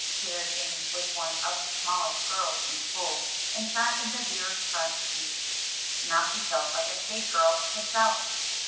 Sarah Jane was one of the smallest girls in school, and sat in the very front seat. Now she felt like a big girl herself.